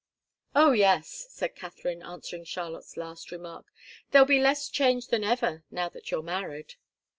"Oh, yes!" said Katharine, answering Charlotte's last remark. "There'll be less change than ever now that you're married."